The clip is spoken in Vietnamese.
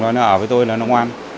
nó ở với tôi là nó ngoan